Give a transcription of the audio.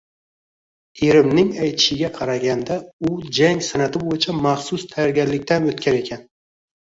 Erimning aytishiga qaraganda, u jang san`ati bo`yicha maxsus tayyorgarlikdan o`tgan ekan